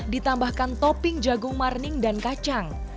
ditambahkan topping jagung marning dan kacang